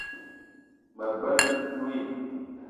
Me bela ntouii